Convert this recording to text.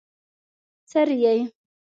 څري يې؟